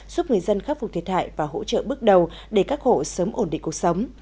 giúp người dân khắc phục thiệt hại và hỗ trợ bước đầu để các hộ sớm ổn định cuộc sống